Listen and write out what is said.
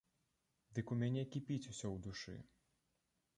Дык у мяне кіпіць усё ў душы.